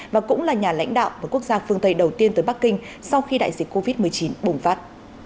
và cũng là nhà lãnh đạo một quốc gia phương tây đầu tiên tới bắc kinh sau khi đại dịch covid một mươi chín bùng phát